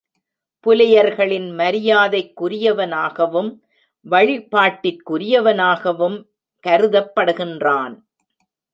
புலையர்களின் மரியாதைக்குரியவனாகவும், வழிபாட்டிற்குரியவனாகவும் கருதப்படுகின்றான்.